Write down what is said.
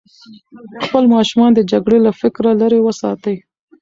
خپل ماشومان د جګړې له فکره لرې وساتئ.